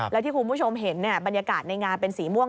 แล้วที่คุณผู้ชมเห็นบรรยากาศในงานเป็นสีม่วง